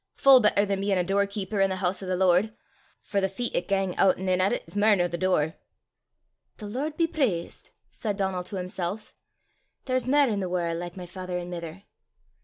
full better than bein' a door keeper i' the hoose o' the Lord! For the feet 'at gang oot an' in at it 's mair nor the door!" "The Lord be praist!" said Donal to himself; "there's mair i' the warl' like my father an' mither!"